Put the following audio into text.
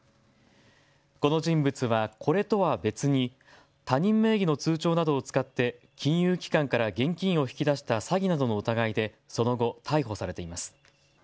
この人物はこれとは別に他人名義の通帳などを使って金融機関から現金を引き出した詐欺などの疑いでその後、逮捕されています。